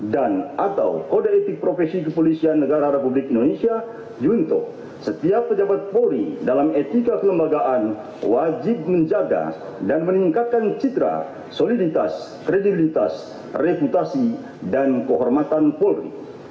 dan atau kode etik profesi kepolisian negara republik indonesia juntuh setiap pejabat polri dalam etika kelembagaan wajib menjaga dan meningkatkan citra soliditas kredibilitas reputasi dan kehormatan polri